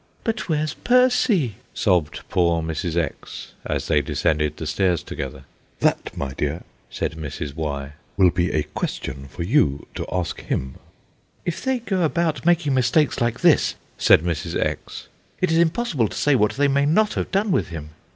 "But where's Percy?" sobbed poor little Mrs. X., as they descended the stairs together. "That my dear," said Mrs. Y., "will be a question for you to ask him." "If they go about making mistakes like this," said Mrs. X., "it is impossible to say what they may not have done with him."